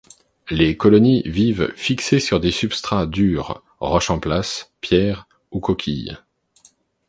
Les colonies vivent fixées sur des substrats durs, roche en place, pierres ou coquilles.